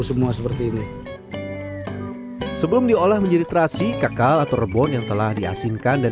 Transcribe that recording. semua seperti ini sebelum diolah menjadi terasi kakal atau rebon yang telah diasinkan dan